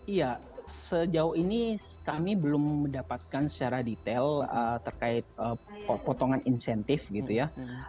iya sejauh ini kami belum mendapatkan secara detail terkait potongan insentif gitu ya